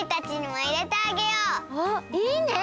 あいいね！